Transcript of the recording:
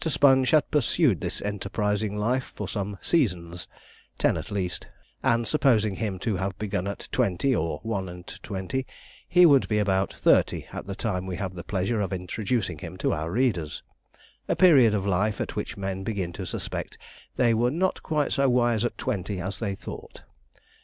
Sponge had pursued this enterprising life for some 'seasons' ten at least and supposing him to have begun at twenty or one and twenty, he would be about thirty at the time we have the pleasure of introducing him to our readers a period of life at which men begin to suspect they were not quite so wise at twenty as they thought.